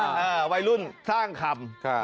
อืมเออวัยรุ่นสร้างคลำ